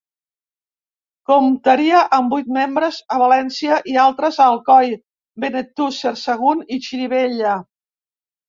Comptaria amb vuit membres a València i altres a Alcoi, Benetússer, Sagunt i Xirivella.